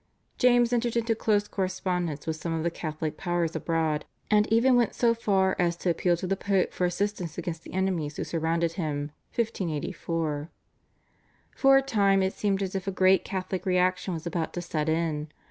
James entered into close correspondence with some of the Catholic powers abroad, and even went so far as to appeal to the Pope for assistance against the enemies who surrounded him (1584). For a time it seemed as if a great Catholic reaction was about to set in.